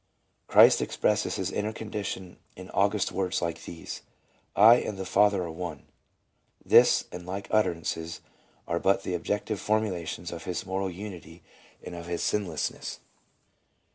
Christ expresses his inner condition in august words like these : "I and the Father are one." This and like utterances are but the objective formulations of his moral unity, of his sinlessness.